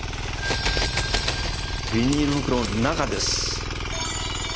ビニール袋の中です。